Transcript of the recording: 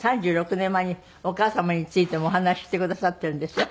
３６年前にお母様についてもお話ししてくださっているんですよ。